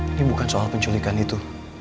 ini bukan soal penculikan itu